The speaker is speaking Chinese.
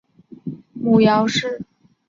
母姚氏。